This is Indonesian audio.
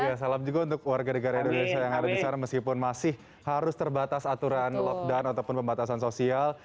iya salam juga untuk warga negara indonesia yang ada di sana meskipun masih harus terbatas aturan lockdown ataupun pembatasan sosial